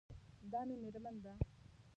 دا مې میرمن ده